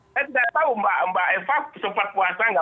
saya tidak tahu mbak eva sempat puasa atau tidak